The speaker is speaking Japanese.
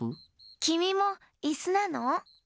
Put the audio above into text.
きみもいすなの？